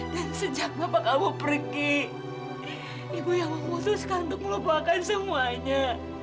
dan sejak bapak kamu pergi ibu yang memutuskan untuk melupakan semuanya